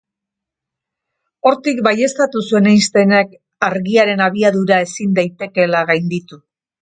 Hortik baieztatu zuen Einsteinek argiaren abiadura ezin daitekeela gainditu.